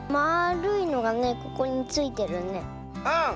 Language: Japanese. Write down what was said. うん！